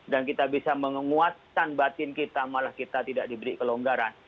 kita bisa menguatkan batin kita malah kita tidak diberi kelonggaran